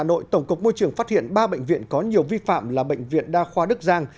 ở cục môi trường phát hiện ba bệnh viện có nhiều vi phạm là bệnh viện đa khoa đức giang